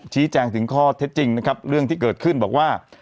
ชี้แจงถึงข้อเท็จจริงนะครับเรื่องที่เกิดขึ้นบอกว่า